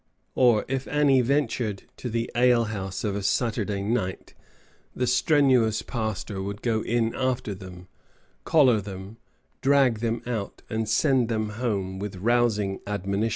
or if any ventured to the alehouse of a Saturday night, the strenuous pastor would go in after them, collar them, drag them out, and send them home with rousing admonition.